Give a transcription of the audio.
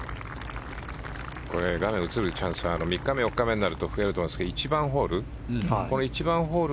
画面に映るチャンスは３日目、４日目になると増えると思いますが１番ホール。